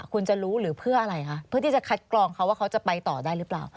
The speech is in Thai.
คุณจะรู้หรือเพื่ออะไรคะเพื่อที่จะคัดกรองเขาว่าเขาจะไปต่อได้หรือเปล่า